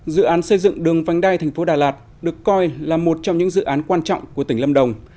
dự án xây dựng đường vánh đai thành phố đà lạt được coi là một trong những dự án quan trọng của tỉnh lâm đồng